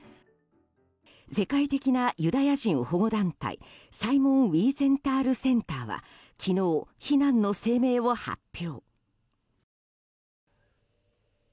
世界的なユダヤ人保護団体サイモン・ウィーゼンタール・センターは昨日、非難の声明を発表。